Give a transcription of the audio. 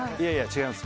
違います。